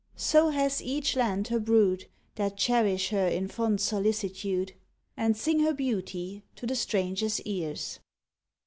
So has each land her brood That cherish her in fond solicitude, And sing her beauty to the stranger s ears.